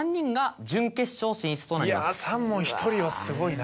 ３問１人はすごいな。